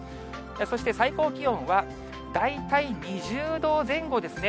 そして、最高気温は、大体２０度前後ですね。